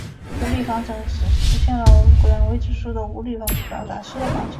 无理方程是指出现了关于未知数的无理表达式的方程。